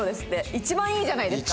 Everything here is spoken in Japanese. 一番いいじゃないですか。